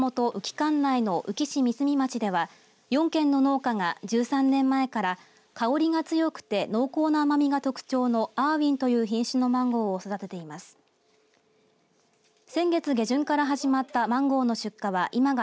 管内の宇城市三角町では４軒の農家が１３年前から香りが強くて濃厚な甘みが特徴のアーウィンという品種のマンゴーを育てています。